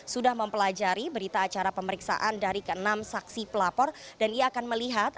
sudah mempelajari berita acara pemeriksaan dari ke enam saksi pelapor dan ia akan melihat